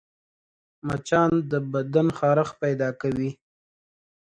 مچان د بدن خارښت پیدا کوي